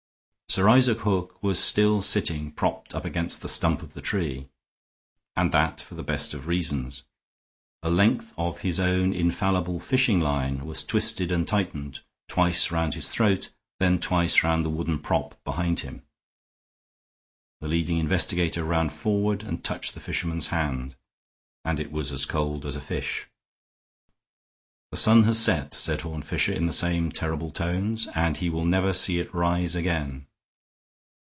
Sir Isaac Hook was still sitting propped up against the stump of the tree, and that for the best of reasons. A length of his own infallible fishing line was twisted and tightened twice round his throat and then twice round the wooden prop behind him. The leading investigator ran forward and touched the fisherman's hand, and it was as cold as a fish. "The sun has set," said Horne Fisher, in the same terrible tones, "and he will never see it rise again."